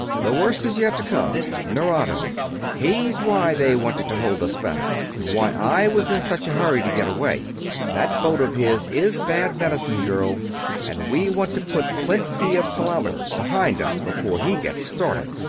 "The worst is yet to come. Nerado. He's why they wanted to hold us back, and why I was in such a hurry to get away. That boat of his is bad medicine, girl, and we want to put plenty of kilometers behind us before he gets started."